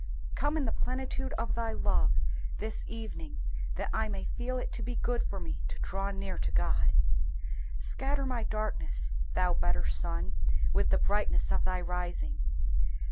Come in the plenitude of Thy love this evening, that I may feel it to be good for me to draw near to God! Scatter my darkness, Thou better Sun, with the brightness of Thy rising.